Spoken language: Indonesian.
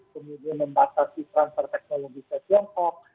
kemudian membatasi transfer teknologi ke tiongkok